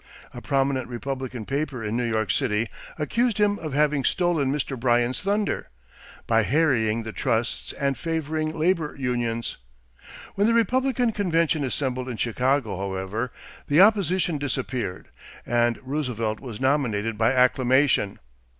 A prominent Republican paper in New York City accused him of having "stolen Mr. Bryan's thunder," by harrying the trusts and favoring labor unions. When the Republican convention assembled in Chicago, however, the opposition disappeared and Roosevelt was nominated by acclamation.